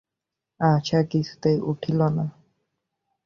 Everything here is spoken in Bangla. আশা কিছুতেই উঠিল না।